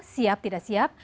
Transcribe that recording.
siap tidak siap